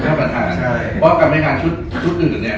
ท่านประธานใช่เพราะกำลังงานชุดชุดอื่นอื่นเนี้ย